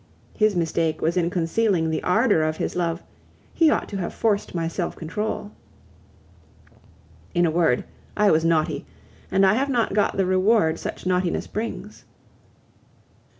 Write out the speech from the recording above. His mistake was in concealing the ardor of his love; he ought to have forced my self control. In a word, I was naughty, and I have not got the reward such naughtiness brings.